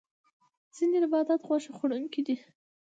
ځینې نباتات غوښه خوړونکي دي